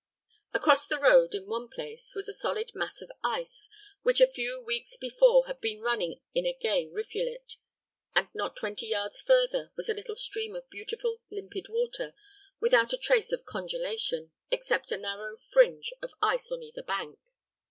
Across the road, in one place, was a solid mass of ice, which a few weeks before had been running in a gay rivulet; and not twenty yards further was a little stream of beautiful, limpid water, without a trace of congelation, except a narrow fringe of ice on either bank.